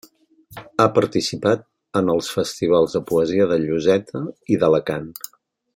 Ha participat en els festivals de poesia de Lloseta i d'Alacant.